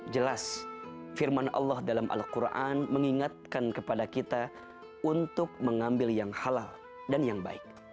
jelas firman allah dalam al quran mengingatkan kepada kita untuk mengambil yang halal dan yang baik